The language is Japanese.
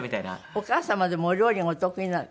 お母様でもお料理がお得意なんですって？